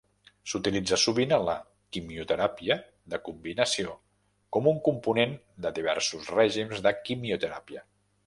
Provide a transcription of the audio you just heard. S'utilitza sovint en la quimioteràpia de combinació com un component de diversos règims de quimioteràpia.